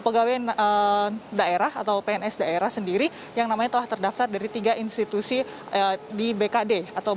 pada saat ini ada beberapa pekerja media yang telah terdaftar dari tiga institusi di bkd